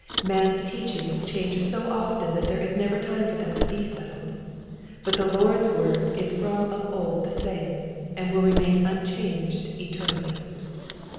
Man^s teachings change so often that there is never time for them to be settled ; but the Lord's word is from of old the same, and will remain unchanged eternally.